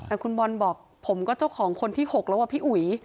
แต่คุณบอลบอกผมก็เจ้าของคนที่๖แล้วอะพี่อุ๋ย